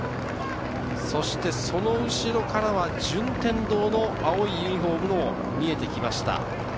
その後ろからは順天堂の青いユニホームも見えてきました。